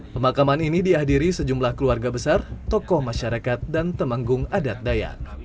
pemakaman ini dihadiri sejumlah keluarga besar tokoh masyarakat dan temanggung adat daya